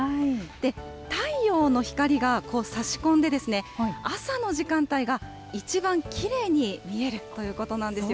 太陽の光がこうさし込んで、朝の時間帯が一番きれいに見えるということなんですよ。